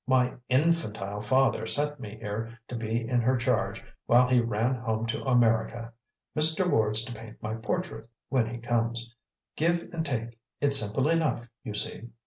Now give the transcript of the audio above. "My INFANTILE father sent me here to be in her charge while he ran home to America. Mr. Ward's to paint my portrait, when he comes. Give and take it's simple enough, you see!"